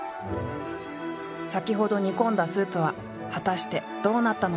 先ほど煮込んだスープは果たしてどうなったのか？